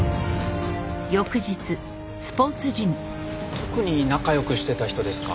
特に仲良くしてた人ですか？